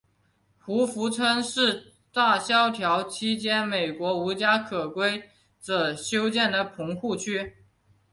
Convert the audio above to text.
胡佛村是大萧条期间美国无家可归者修建的棚户区。